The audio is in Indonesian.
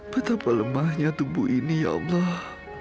betapa lemahnya tubuh ini ya allah